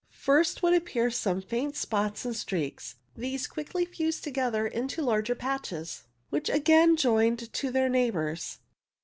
First would appear some faint spots and streaks ; these quickly fused together into larger patches, which again joined to their neighbours.